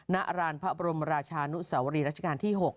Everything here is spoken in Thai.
ณรานพระบรมราชานุสวรีรัชกาลที่๖